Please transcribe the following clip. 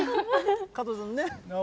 加藤さん、ねっ？